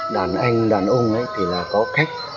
đàn anh đàn ông ấy thì là có khách